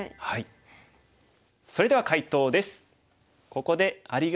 それでは解答です。